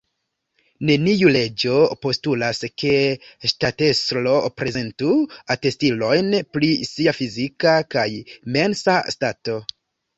Neniu leĝo postulas, ke ŝtatestro prezentu atestilojn pri sia fizika kaj mensa stato.